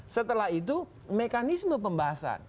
setelah itu mekanisme pembahasan